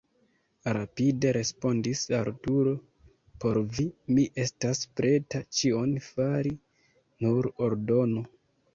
rapide respondis Arturo: por vi mi estas preta ĉion fari, nur ordonu!